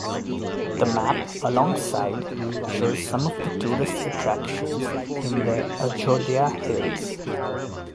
The map alongside shows some of the tourist attractions in the Ajodhya Hills.